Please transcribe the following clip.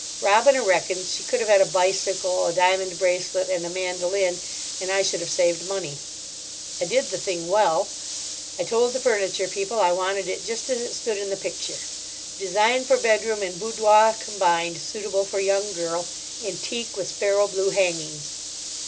Robina reckons she could have had a bicycle, a diamond bracelet, and a mandoline, and I should have saved money. I did the thing well. I told the furniture people I wanted it just as it stood in the picture: "Design for bedroom and boudoir combined, suitable for young girl, in teak, with sparrow blue hangings."